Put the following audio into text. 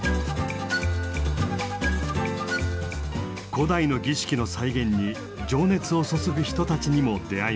古代の儀式の再現に情熱を注ぐ人たちにも出会いました。